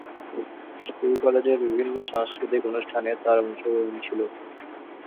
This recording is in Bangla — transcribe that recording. স্কুল কলেজের বিভিন্ন সাংস্কৃতিক অনুষ্ঠানে তাঁর অংশগ্রহণ ছিল।